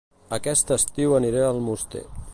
Aquest estiu aniré a Almoster